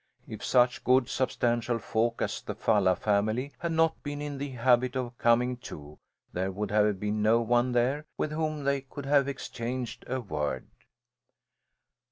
If such good, substantial folk as the Falla family had not been in the habit of coming, too, there would have been no one there with whom they could have exchanged a word.